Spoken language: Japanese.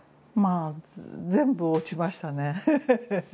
あ全部落ちましたね。